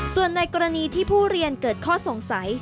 ส่วนในกรณีที่ผู้เรียนเกิดข้อสงสัย